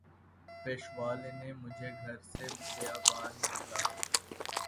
پیشوا لینے مجھے گھر سے بیاباں نکلا